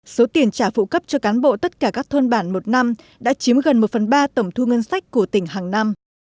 số tiền trả phụ cấp cho cán bộ tất cả các thôn bản một năm đã chiếm gần một phần ba tổng thu ngân sách của tỉnh hàng năm